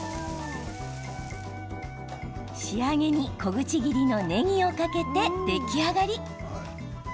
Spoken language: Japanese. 仕上げに小口切りのねぎをかけて出来上がり。